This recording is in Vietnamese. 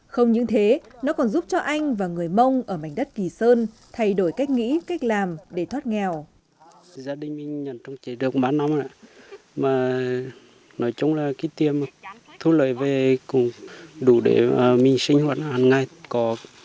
không những thế nó còn giúp cho anh và người mông ở mảnh đất kỳ sơn thay đổi cách nghĩ cách làm để thoát nghèo